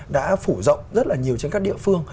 đã phủ rộng rất là nhiều trên các địa phương